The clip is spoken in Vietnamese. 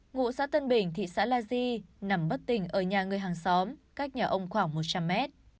ngụ xã tân bình thị xã la di nằm bất tỉnh ở nhà người hàng xóm cách nhà ông khoảng một trăm linh mét